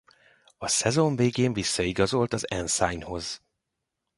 A szezon végén visszaigazolt az Ensign-hoz.